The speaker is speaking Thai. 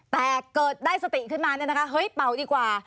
แต่เกิดได้สติขึ้นมาเนี่ยนะคะเฮ้ยเป่าดีกว่า